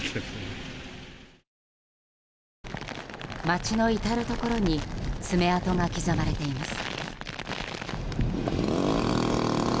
町の至るところに爪痕が刻まれています。